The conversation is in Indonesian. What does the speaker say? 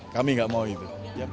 kami nggak mau itu